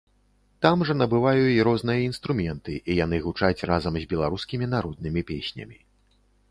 Там жа набываю і розныя інструменты, і яны гучаць разам з беларускімі народнымі песнямі.